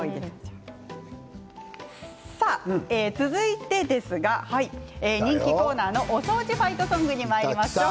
続いて人気コーナーの「お掃除ファイトソング」にまいりましょう。